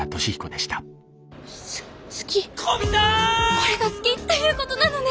「これが好きっていうことなのね！」。